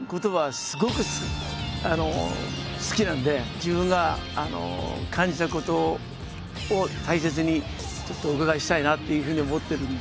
自分が感じたことを大切にちょっとお伺いしたいなっていうふうに思ってるので。